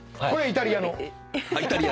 これはイタリアの。